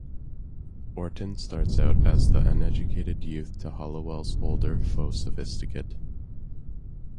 Orton starts out as the uneducated youth to Halliwell's older faux-sophisticate.